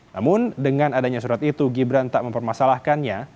namun dengan adanya surat itu gibran tak mempermasalahkannya